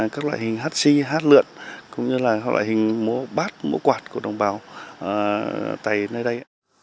các loại hình hát si hát lượn cũng như là các loại hình múa bát múa quạt của đồng bào tày ở nơi đây